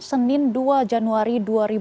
senin dua januari dua ribu dua puluh